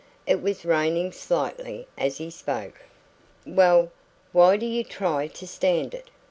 It was raining slightly as he spoke. "Well, why do you try to stand it?"